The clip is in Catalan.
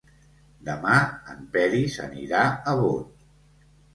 Demà en Peris anirà a Bot.